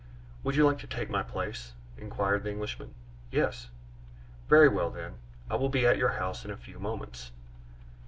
"Would you like to take my place?" inquired the Englishman. "Yes." "Very well, then; I will be at your house in a few moments."